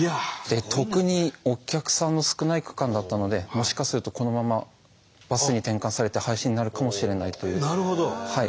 特にお客さんの少ない区間だったのでもしかするとこのままバスに転換されて廃止になるかもしれないという話も出てました。